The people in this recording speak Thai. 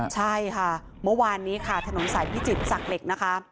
ใช่ค่ะเมื่อวานนี้ค่ะถนนสายพิจิตรศักดิ์เหล็กนะคะ